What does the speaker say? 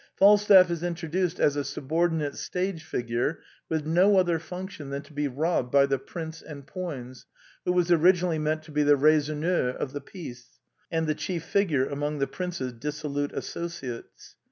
Falstaff is introduced as a subordinate stage figure with no other function than to be robbed by the Prince and Poins, who was origi nally meant to be the raisonneur of the piece, and the chief figure among the prince's dissolute as sociates.